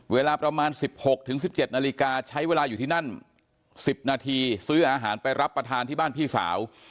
เวลาประมาณ๑๖๑๗นาฬิกาใช้เวลาอยู่ที่นั่น๑๐นาทีซื้ออาหารไปรับประทานที่บ้านพี่สาว